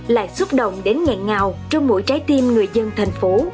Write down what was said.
lại xúc động đến nghẹn ngào trong mỗi trái tim người dân thành phố